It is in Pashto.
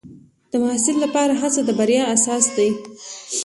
د محصل لپاره هڅه د بریا اساس دی.